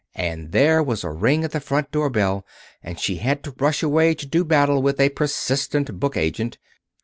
And there was a ring at the front door bell, and she had to rush away to do battle with a persistent book agent....